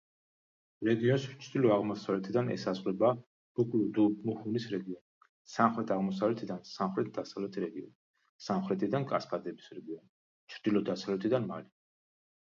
რეგიონს ჩრდილო-აღმოსავლეთიდან ესაზღვრება ბუკლე-დუ-მუჰუნის რეგიონი, სამხრეთ-აღმოსავლეთიდან სამხრეთ-დასავლეთი რეგიონი, სამხრეთიდან კასკადების რეგიონი, ჩრდილო-დასავლეთიდან მალი.